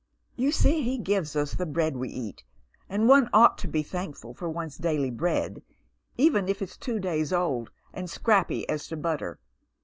You see he gives us the bread we eat, and one ought to 1)9 thankful for one's daily bread even if it's two days old, and scrapy as to butter.